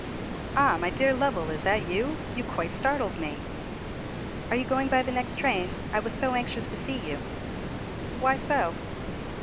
"Ah! my dear Lovell, is that you? You quite startled me." "Are you going by the next train? I was so anxious to see you." "Why so?"